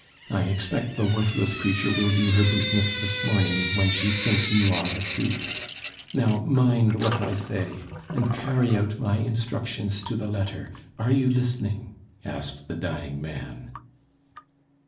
I expect the worthless creature will do her business this morning when she thinks you are asleep. Now, mind what I say, and carry out my instructions to the letter.... Are you listening?" asked the dying man.